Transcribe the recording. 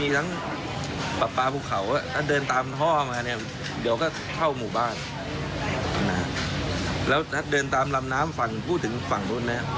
อีกยังไม่เจอว่าเดินไม่ได้หรือป่าเจอ